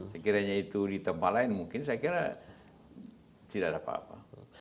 sekiranya itu ditembalan mungkin saya kira tidak ada apa apa